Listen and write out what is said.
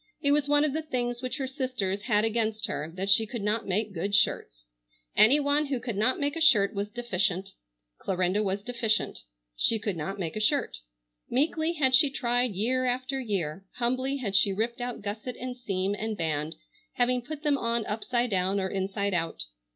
It was one of the things which her sisters had against her that she could not make good shirts. Any one who could not make a shirt was deficient. Clarinda was deficient. She could not make a shirt. Meekly had she tried year after year. Humbly had she ripped out gusset and seam and band, having put them on upside down or inside out.